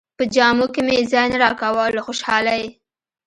په جامو کې مې ځای نه راکاوه له خوشالۍ.